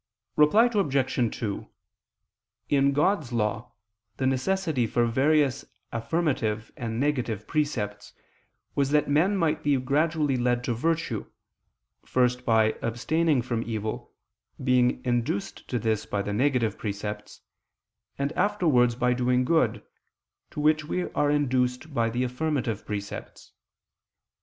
Reply Obj. 2: In God's law, the necessity for various affirmative and negative precepts, was that men might be gradually led to virtue, first by abstaining from evil, being induced to this by the negative precepts, and afterwards by doing good, to which we are induced by the affirmative precepts.